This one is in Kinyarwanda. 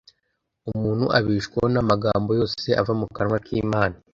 «Umuntu abeshwaho n'amagambo yose ava mu kanwa k'Imana."»